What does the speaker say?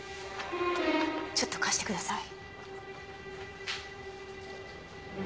ちょっと貸してください。